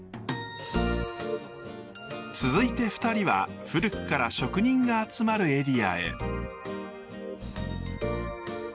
続いて２人は古くから職人が集まるエリアへ。